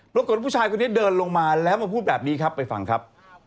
ปรากฏว่าผู้ชายคนนี้เดินลงมาแล้วมาพูดแบบนี้ครับไปฟังครับ